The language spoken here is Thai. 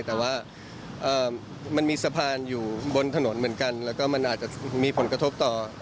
แต่ว่ามันมีสะพานอยู่บนถนนเหมือนกันแล้วก็มันอาจจะมีผลกระทบต่อ